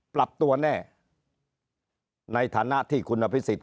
ปรับตัวแน่ในฐานะที่คุณอภิษฎ